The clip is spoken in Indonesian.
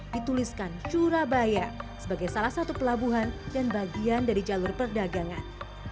dituliskan surabaya sebagai salah satu pelabuhan dan bagian dari jalur perdagangan